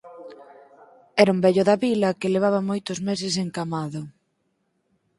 Era un vello da vila que levaba moitos meses encamado